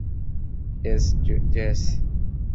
Yes, JS!